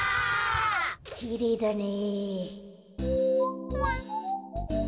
きれいだね。